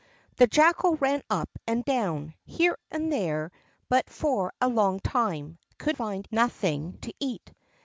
The Jackal ran up and down, here and there, but for a long time could find nothing to eat.